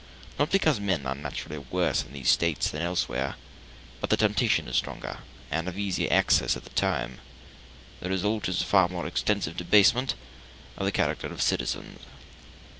Not because men are naturally worse in these States than elsewhere, but the temptation is stronger, and of easier access at the same time. The result is a far more extensive debasement of the characters of citizens.